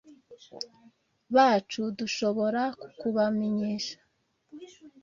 bacu dushobora kukubamenyesha